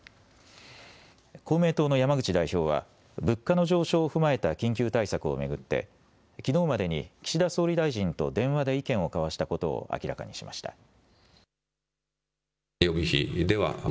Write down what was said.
公明党の山口代表は物価の上昇を踏まえた緊急対策を巡ってきのうまでに岸田総理大臣と電話で意見を交わしたことを明らかにしました。